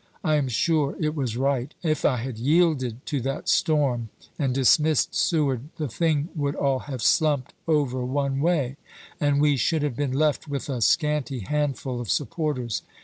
I am sure it was right. If I had yielded to that storm and dismissed Seward the thing would all have slumped over one way, and we should have been left with a scanty handful of supporters.